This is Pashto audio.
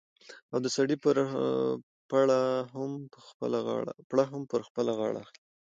او د سړي پړه هم په خپله غاړه اخلي.